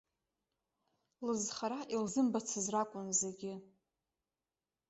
Лызхара илзымбацыз ракәын зегьы.